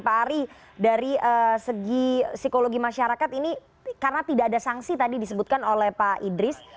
pak ari dari segi psikologi masyarakat ini karena tidak ada sanksi tadi disebutkan oleh pak idris